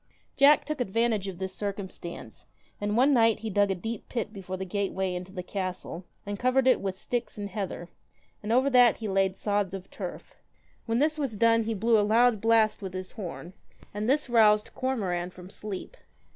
Jack took advantage of this circumstance, and 184 one night he dug a deep pit before the gateway JACK THE into the castle, and covered it with sticks and J* IA .NT heather, and over that he laid sods of turf. KILLER When this was done, he blew a loud blast with his horn, and this roused Cormoran from sleep.